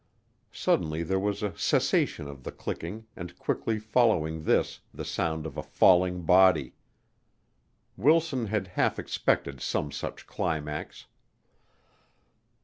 Suddenly there was a cessation of the clicking and quickly following this the sound of a falling body. Wilson had half expected some such climax.